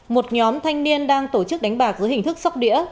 một nhóm thanh niên đang tổ chức đánh bạc dưới hình thức sóc đĩa